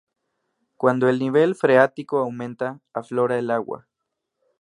Cuando el nivel freático aumenta, aflora el agua.